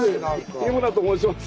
日村と申します。